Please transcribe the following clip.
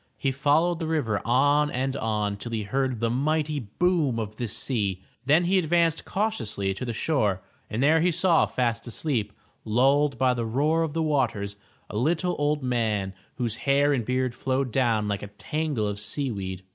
He followed the river on and on till he heard the mighty boom of the sea. Then he advanced cautiously to the shore and there he saw fast asleep, lulled by the roar of the waters, a little old man whose hair and beard flowed down like a tangle of sea weed.